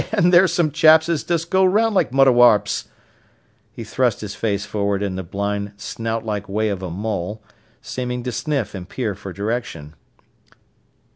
"Yi, an' there's some chaps as does go round like moudiwarps." He thrust his face forward in the blind, snout like way of a mole, seeming to sniff and peer for direction.